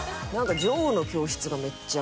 『女王の教室』がめっちゃ。